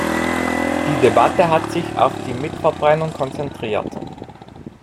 Die Debatte hat sich auf die Mitverbrennung konzentriert.